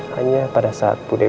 hanya pada saat bu dewi bayar